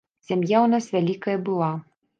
Сям'я ў нас вялікая была.